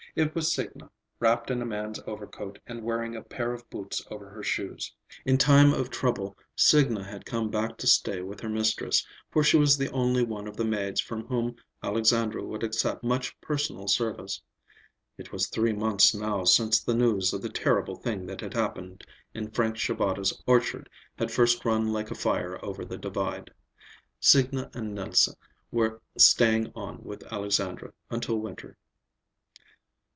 It was Signa, wrapped in a man's overcoat and wearing a pair of boots over her shoes. In time of trouble Signa had come back to stay with her mistress, for she was the only one of the maids from whom Alexandra would accept much personal service. It was three months now since the news of the terrible thing that had happened in Frank Shabata's orchard had first run like a fire over the Divide. Signa and Nelse were staying on with Alexandra until winter.